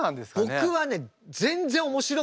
僕はねえ！